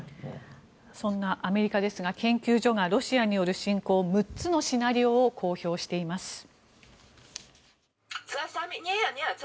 そんなアメリカですが研究所がロシアによる侵攻６つのシナリオを公表しています。